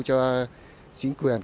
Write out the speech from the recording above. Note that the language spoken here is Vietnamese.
cho chính quyền